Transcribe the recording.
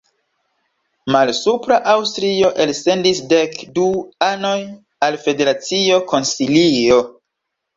Malsupra Aŭstrio elsendis dek du anoj al federacio konsilio.